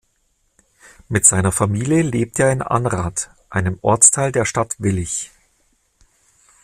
Mit seiner Familie lebt er in Anrath, einem Ortsteil der Stadt Willich.